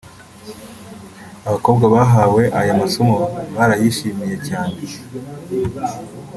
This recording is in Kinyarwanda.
Abakobwa bahawe aya masomo barayishimiye cyane